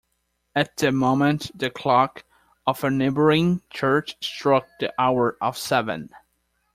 At the moment the clock of a neighbouring church struck the hour of seven.